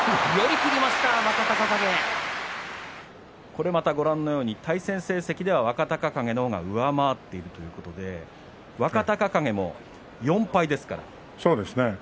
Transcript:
これまたご覧のように対戦成績では若隆景の方が上回っているということで若隆景も４敗ですから。